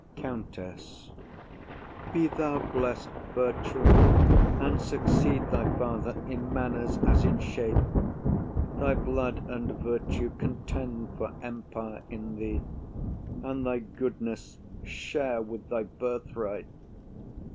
COUNTESS. Be thou blest, Bertram, and succeed thy father In manners, as in shape! Thy blood and virtue Contend for empire in thee, and thy goodness Share with thy birthright!